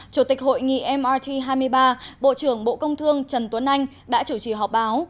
chủ tịch hội nghị mrt hai mươi ba bộ trưởng bộ công thương trần tuấn anh đã chủ trì họp báo